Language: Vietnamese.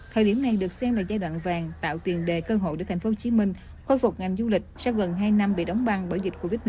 thời điểm này được xem là giai đoạn vàng tạo tiền đề cơ hội để thành phố hồ chí minh khôi phục ngành du lịch sau gần hai năm bị đóng băng bởi dịch covid một mươi chín